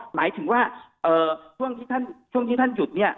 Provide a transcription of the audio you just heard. อ๋อหมายถึงว่าช่วงที่ท่านหยุดเนี่ย